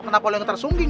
kenapa lu yang tersungking